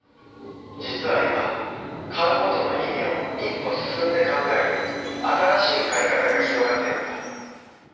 実は今買う事の意味を一歩進んで考える新しい買い方が広がってるんだ。